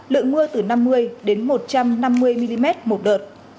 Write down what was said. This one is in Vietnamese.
lượng mưa từ năm mươi đến một trăm năm mươi mm một đợt